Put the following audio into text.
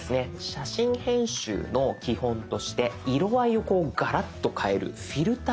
写真編集の基本として色合いをこうガラッと変える「フィルター」。